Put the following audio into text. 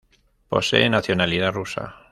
Posee nacionalidad rusa.